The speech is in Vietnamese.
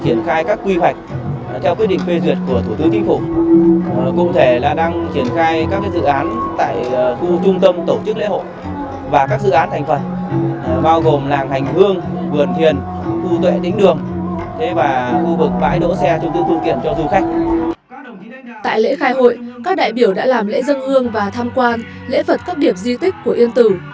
tại lễ khai hội các đại biểu đã làm lễ dân hương và tham quan lễ phật các điểm di tích của yên tử